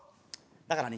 だからね